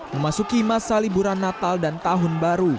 memasuki masa liburan natal dan tahun baru